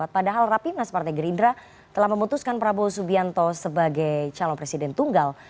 padahal rapimnas partai gerindra telah memutuskan prabowo subianto sebagai calon presiden tunggal